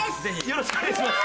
よろしくお願いします！